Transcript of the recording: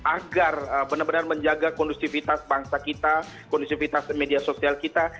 agar benar benar menjaga kondusivitas bangsa kita kondusivitas media sosial kita